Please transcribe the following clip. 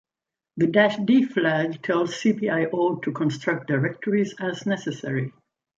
The "-d" flag tells cpio to construct directories as necessary.